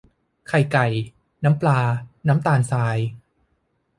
ไข่ไก่ น้ำปลา น้ำตาลทราย